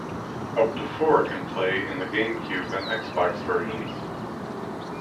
Up to four can play in the GameCube and Xbox versions.